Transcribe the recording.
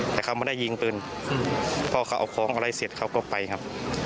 แต่เขาไม่ได้ยิงปืนพอเขาเอาของอะไรเสร็จเขาก็ไปครับ